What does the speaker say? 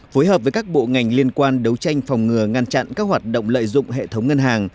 phối hợp với các bộ ngành liên quan đấu tranh phòng ngừa ngăn chặn các hoạt động lợi dụng hệ thống ngân hàng